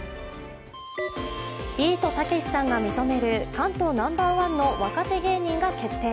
ビートたけしさんが認める関東ナンバーワンの若手芸人が決定。